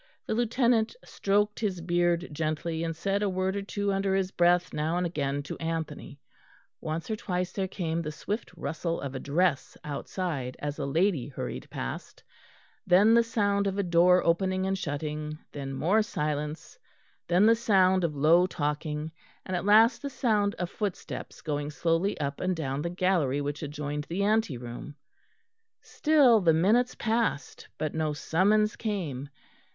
The Lieutenant stroked his beard gently and said a word or two under his breath now and again to Anthony; once or twice there came the swift rustle of a dress outside as a lady hurried past; then the sound of a door opening and shutting; then more silence; then the sound of low talking, and at last the sound of footsteps going slowly up and down the gallery which adjoined the ante room. Still the minutes passed, but no summons came.